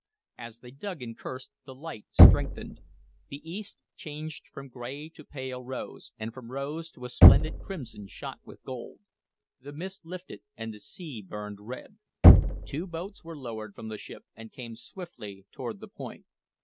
As they dug and cursed, the light strengthened. The east changed from gray to pale rose, from rose to a splendid crimson shot with gold. The mist lifted and the sea burned red. Two boats were lowered from the ship, and came swiftly toward the point.